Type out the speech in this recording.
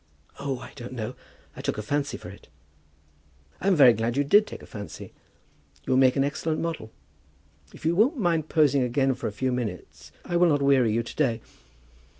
"Oh, I don't know. I took a fancy for it." "I'm very glad you did take the fancy. You'll make an excellent model. If you won't mind posing again for a few minutes I will not weary you to day.